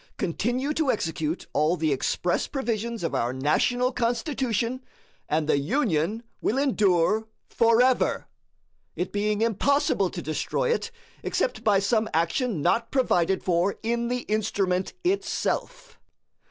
Continue to execute all the express provisions of our National Constitution, and the Union will endure forever it being impossible to destroy it except by some action not provided for in the instrument itself.